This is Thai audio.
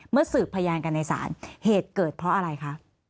เมื่อสืบพยายามกันในสารเหตุเกิดเพราะอะไรคะ